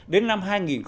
đến năm hai nghìn ba mươi